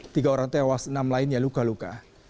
tiga orang tewas enam lainnya luka luka